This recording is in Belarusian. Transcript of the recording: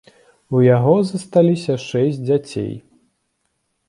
У яго засталіся шэсць дзяцей.